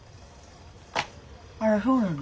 あらそうなの。